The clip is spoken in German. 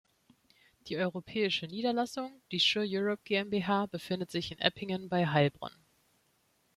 Die europäische Niederlassung, die Shure Europe GmbH, befindet sich in Eppingen bei Heilbronn.